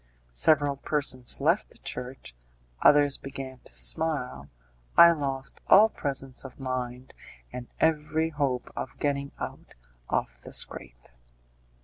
Several persons left the church, others began to smile, I lost all presence of mind and every hope of getting out of the scrape.